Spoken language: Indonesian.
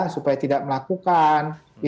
supaya tidak melakukan